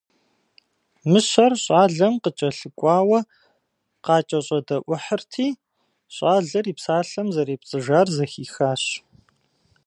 Мыщэр щӏалэм къыкӏэлъыкӏуауэ къакӏэщӏэдэӏухьырти, щӏалэр и псалъэм зэрепцӏыжар зэхихащ.